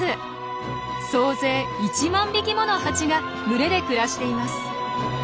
総勢１万匹ものハチが群れで暮らしています。